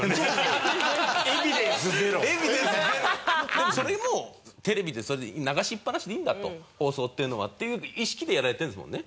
でもそれもテレビでそれ流しっぱなしでいいんだと放送っていうのはっていう意識でやられてるんですもんね。